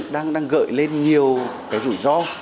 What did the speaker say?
đang gợi lên nhiều rủi ro